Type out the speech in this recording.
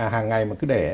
hàng ngày mà cứ để